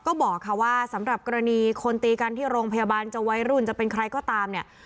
ก็บอกค่ะว่าสำหรับกรณีคนตีกันที่โรงพยาบาลจะวัยรุ่นจะเป็นใครก็ตามเนี่ย